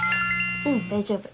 うん大丈夫。